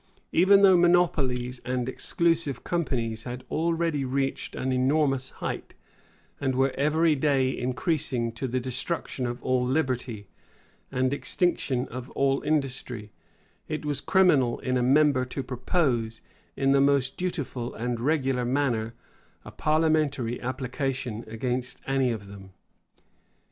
Even though monopolies and exclusive companies had already reached an enormous height, and were every day increasing to the destruction of all liberty, and extinction of all industry, it was criminal in a member to propose, in the most dutiful and regular manner, a parliamentary application against any of them.